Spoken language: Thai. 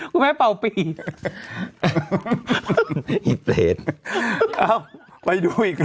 กูแม่ป่าวปี